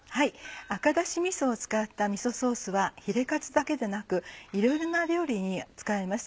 赤だしみそを使ったみそソースはヒレカツだけでなくいろいろな料理に使えます